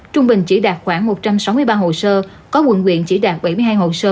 trung bình chỉ đạt khoảng một trăm sáu mươi ba hồ sơ có quận quyện chỉ đạt bảy mươi hai hồ sơ